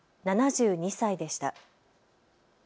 ７２歳でした。